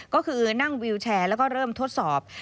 ก็คือนั่งวิวแชร์แล้วก็เริ่มทดสอบ